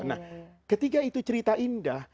nah ketika itu cerita indah